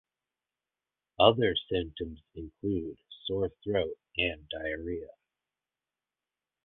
Other symptoms include sore throat and diarrhea.